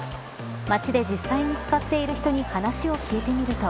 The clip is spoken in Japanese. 街で実際に使っている人に話を聞いてみると。